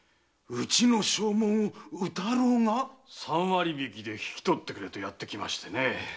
うちの証文を宇太郎が⁉三割引きで引き取ってくれとやってきましてね。